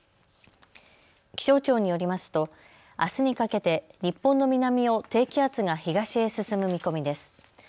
気象庁によりますとあすにかけて日本の南を低気圧が東へ進む見込みです。